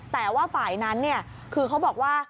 แต่ว่าฝ่ายนั้นคือเขาบอกว่า